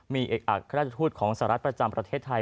มีเอกอัครราชทูตของสหรัฐประจำประเทศไทย